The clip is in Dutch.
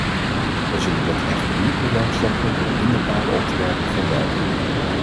Wij zullen dat echter niet bewerkstelligen door hinderpalen op te werpen voor werken.